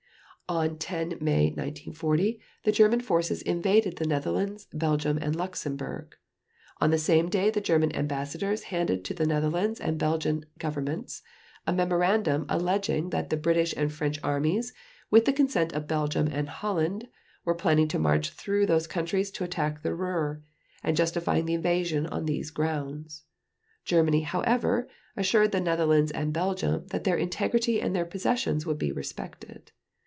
On 10 May 1940 the German forces invaded the Netherlands, Belgium, and Luxembourg. On the same day the German Ambassadors handed to the Netherlands and Belgian Governments a memorandum alleging that the British and French Armies, with the consent of Belgium and Holland, were planning to march through those countries to attack the Ruhr, and justifying the invasion on these grounds. Germany, however, assured the Netherlands and Belgium that their integrity and their possessions would be respected.